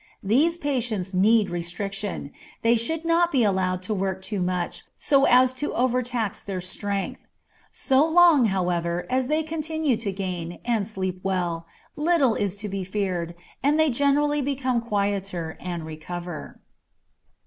These patients need restriction; they should not be allowed to work too much, so as to overtax their strength. So long, however, as they continue to gain, and sleep well, little is to be feared, and they generally become quieter and recover.